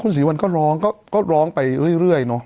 คุณศรีสุวรรณก็ร้องร้องไปเรื่อย